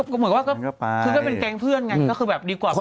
ก็อย่างเงินเป็นเพื่อนนะก็คือแบบดีกว่า